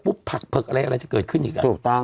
ปุ๊บผักเผิกอะไรจะเกิดขึ้นอยู่กัน